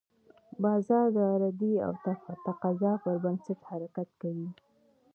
بازار د عرضې او تقاضا پر بنسټ حرکت کوي.